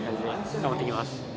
頑張っていきます。